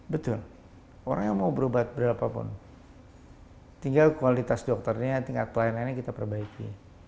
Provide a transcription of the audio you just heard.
betul orang yang mau berobat berapapun tinggal kualitas dokternya tingkat lainnya kita perbaiki